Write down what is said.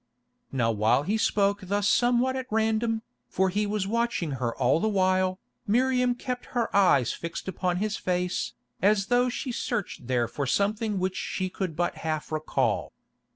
Now while he spoke thus somewhat at random, for he was watching her all the while, Miriam kept her eyes fixed upon his face, as though she searched there for something which she could but half recall.